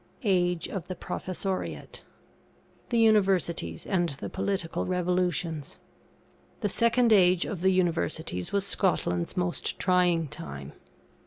[AGE OF THE PROFESSORIATE.] THE UNIVERSITIES AND THE POLITICAL REVOLUTIONS. The second age of the Universities was Scotland's most trying time.